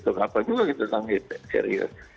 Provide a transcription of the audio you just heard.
tengah apa juga kita tanggapi serius